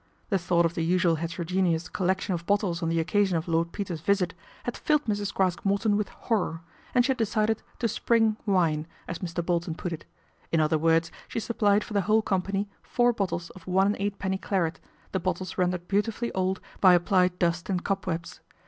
The thought of the usual heterogeneous collec tion of bottles on the occasion of Lord Peter's visit had filled Mrs. Craske Morton with horror, and she had decided to "spring" wine, as Mr. Bolton put it. In other words, she supplied for the whole company four bottles of one and eightpenny claret, the bottles rendered beautifully old by applied dust and cobwebs.